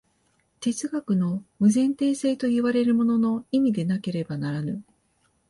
哲学の無前提性といわれるものの意味でなければならぬ。